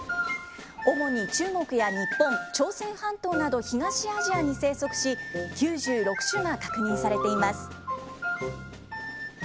主に中国や日本、朝鮮半島など東アジアに生息し、９６種が確認されています。